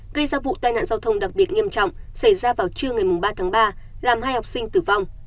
gây ra vụ tai nạn giao thông đặc biệt nghiêm trọng xảy ra vào trưa ngày ba tháng ba làm hai học sinh tử vong